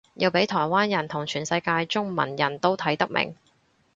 要畀台灣人同全世界中文人都睇得明